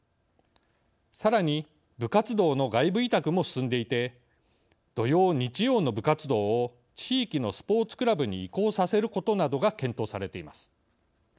さらに部活動の外部委託も進んでいて土曜日曜の部活動を地域のスポーツクラブに移行させることなどが検討されています。